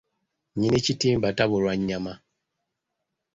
Nnyini kitimba, tabulwa nnyama.